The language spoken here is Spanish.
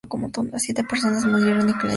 Siete personas murieron, incluyendo al asesino.